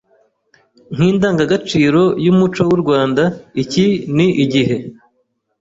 nk’indangagaciro y’umuco w’u Rwanda, iki ni igihe